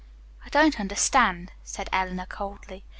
"I don't understand," said Eleanor coldly.